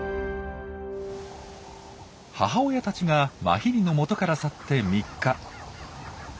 母親たちがマヒリのもとから去って３日。